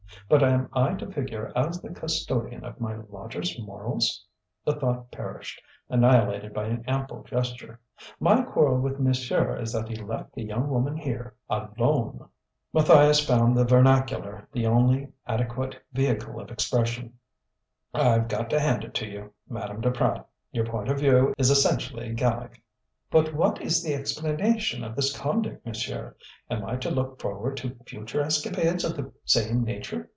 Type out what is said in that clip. But am I to figure as the custodian of my lodgers' morals?" The thought perished, annihilated by an ample gesture. "My quarrel with monsieur is that he left the young woman here alone!" Matthias found the vernacular the only adequate vehicle of expression: "I've got to hand it to you, Madame Duprat; your point of view is essentially Gallic." "But what is the explanation of this conduct, monsieur? Am I to look forward to future escapades of the same nature?